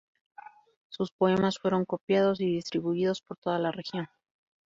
Sus poemas fueron copiados y distribuidos por toda la región.